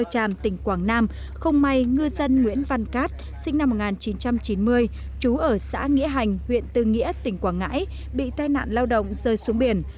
tràm tỉnh quảng nam không may ngư dân nguyễn văn cát sinh năm một nghìn chín trăm chín mươi trú ở xã nghĩa hành huyện tư nghĩa tỉnh quảng ngãi bị tai nạn lao động rơi xuống biển